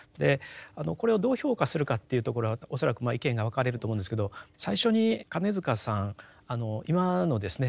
これをどう評価するかっていうところは恐らく意見が分かれると思うんですけど最初に金塚さん今のですね